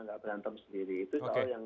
tidak berantem sendiri itu yang